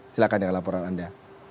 silahkan dengan laporan anda